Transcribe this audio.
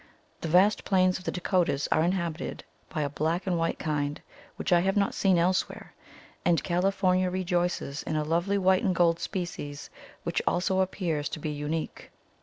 The vast plains of the Dakotas are inhabited by a black and white kind which I have not seen elsewhere, and California rejoices in a lovely white and gold species which also appears to be unique.